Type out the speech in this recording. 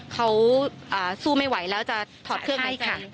เขาสู้ไม่ไหวแล้วจะถอดเครื่องให้ค่ะ